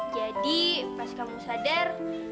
jadi pas kamu sadar